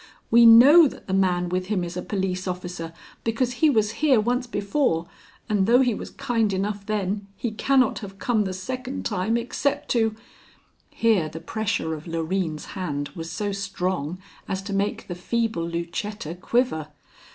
"We know that the man with him is a police officer because he was here once before, and though he was kind enough then, he cannot have come the second time except to " Here the pressure of Loreen's hand was so strong as to make the feeble Lucetta quiver.